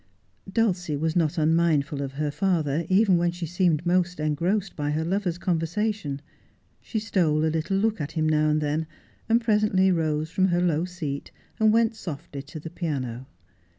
Dulcie was not unmindful of her father, even when she seemed most engrossed by her lover's conversation. She stole a little look at him now and then, and presently rose from her low seat and went softly to the piano.